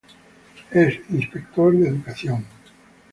Es Inspector de Educación.